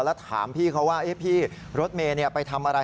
แล้วถามพี่เขาว่าพี่รถเมย์ไปทำอะไร